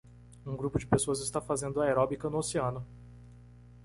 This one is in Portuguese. Um grupo de pessoas está fazendo aeróbica no oceano.